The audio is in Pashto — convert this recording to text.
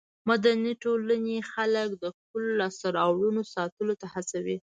مدني ټولنې خلک د خپلو لاسته راوړنو ساتلو ته هڅوي.